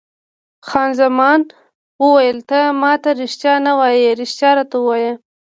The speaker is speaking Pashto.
خان زمان وویل: ته ما ته رښتیا نه وایې، رښتیا راته ووایه.